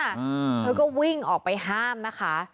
เธอก็วิ่งออกไปห้ามนะคะ